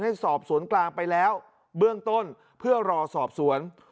สอบสวนกลางไปแล้วเบื้องต้นเพื่อรอสอบสวน